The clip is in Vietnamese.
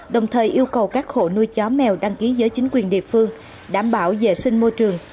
đồng thời yêu cầu các hộ nuôi chó mèo đăng ký giới chính quyền địa phương đảm bảo vệ sinh môi trường